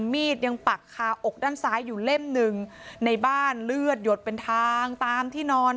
มีดยังปักคาอกด้านซ้ายอยู่เล่มหนึ่งในบ้านเลือดหยดเป็นทางตามที่นอน